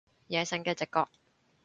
野性嘅直覺